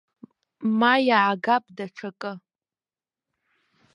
Ма иаагап даҽакы.